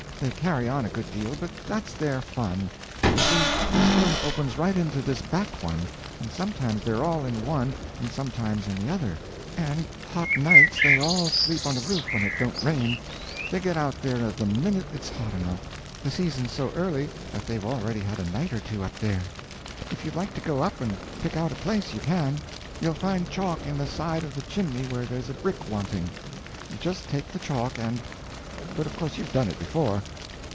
They carry on a good deal, but that's their fun. You see, this room opens right into this back one, and sometimes they're all in one and sometimes in the other; and hot nights they all sleep on the roof when it don't rain. They get out there the minute it's hot enough. The season's so early that they've already had a night or two up there. If you'd like to go up and pick out a place, you can. You'll find chalk in the side of the chimney where there's a brick wanting. You just take the chalk and—but of course you've done it before."